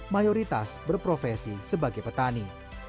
mayoritas berprofesi sebagai petani